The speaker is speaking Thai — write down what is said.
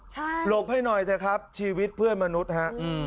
ใช่หลบให้หน่อยเถอะครับชีวิตเพื่อนมนุษย์ฮะ